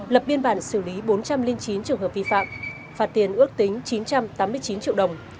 lập biên bản xử lý bốn trăm linh chín trường hợp vi phạm phạt tiền ước tính chín trăm tám mươi chín triệu đồng